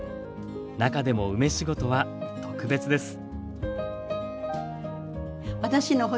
中でも梅仕事は特別です。